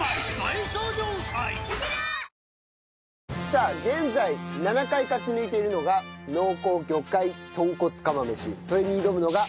さあ現在７回勝ち抜いているのがそれに挑むのが。